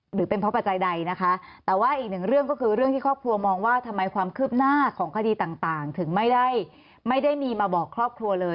หรือเป็นเพราะปัจจัยใดนะคะแต่ว่าอีกหนึ่งเรื่องก็คือเรื่องที่ครอบครัวมองว่าทำไมความคืบหน้าของคดีต่างถึงไม่ได้ไม่ได้มีมาบอกครอบครัวเลย